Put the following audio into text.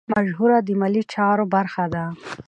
مشوره د مالي چارو برخه ده.